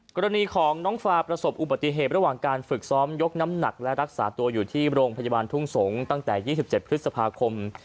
กรณีของน้องฟาประสบอุบัติเหตุระหว่างการฝึกซ้อมยกน้ำหนักและรักษาตัวอยู่ที่โรงพยาบาลทุ่งสงศ์ตั้งแต่๒๗พฤษภาคม